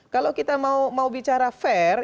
kalau kita mau bicara fair